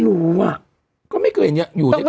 อืม